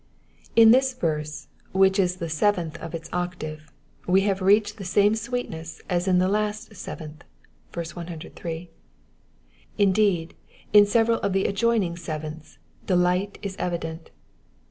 In this verse, which is the seventh of its octave, w3 have reached the same sweetness as in the last seventh (103) : indeed, in several of the ad joining sevenths, delight is evident.